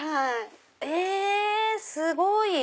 えすごい！